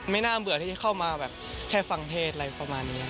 น่าเบื่อที่จะเข้ามาแบบแค่ฟังเพศอะไรประมาณนี้